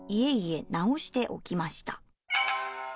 いえいえ、直しておきました。